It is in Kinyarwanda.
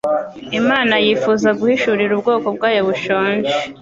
Imana yifuza guhishurira ubwoko bwayo bushonje